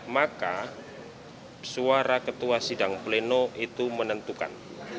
maka suara ketua sidang pleno itu menentukan